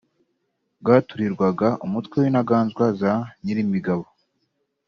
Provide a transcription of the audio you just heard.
bwaturirwaga umutwe w’Intaganzwa za Nyirimigabo